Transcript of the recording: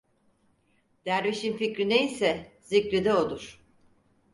Dervişin fikri ne ise zikri de odur.